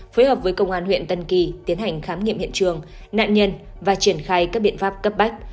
phối hợp với công an huyện tân kỳ tiến hành khám nghiệm hiện trường nạn nhân và triển khai các biện pháp cấp bách